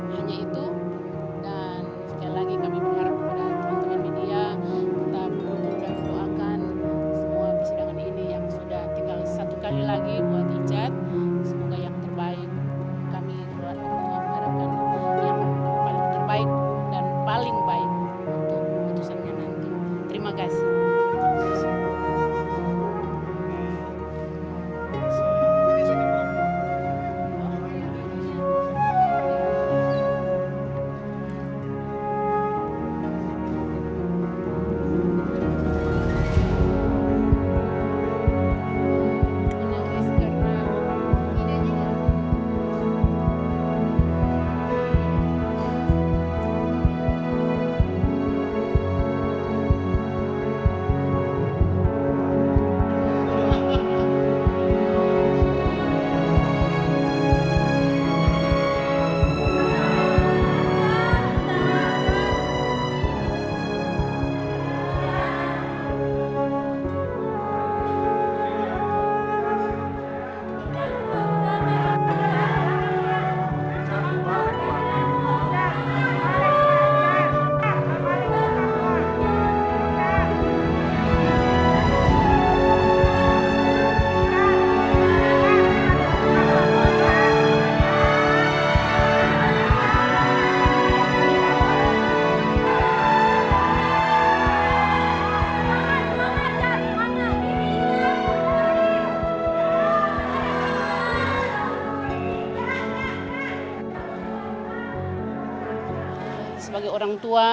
hanya itu dan sekali lagi kami berharap kepada teman teman media